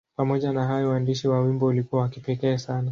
Pamoja na hayo, uandishi wa wimbo ulikuwa wa kipekee sana.